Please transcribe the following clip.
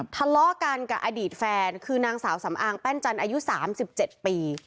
ทะเลาะกันกับอดีตแฟนคือนางสาวสำอางแป้นจันทร์อายุ๓๗ปี